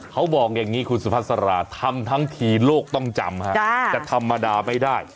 เขาบอกอย่างนี้คุณสุภาษาราทำทั้งทีโลกต้องจำจะธรรมดาไม่ได้